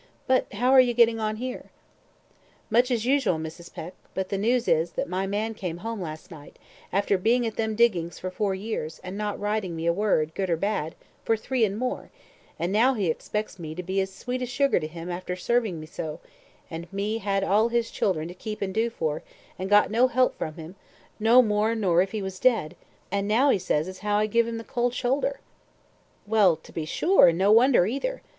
But how are you getting on here?" "Much as usual, Mrs. Peck; but the news is, that my man came home last night, after being at them diggings for four years, and not writing me a word, good or bad, for three and more; and now he expects me to be as sweet as sugar to him after serving me so; and me had all his children to keep and do for, and got no help from him no more nor if he was dead; and now he says as how I give him the cold shoulder." "Well, to be sure, and no wonder either!